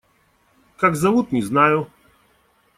Как зовут, не знаю.